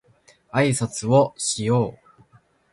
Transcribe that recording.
あいさつをしよう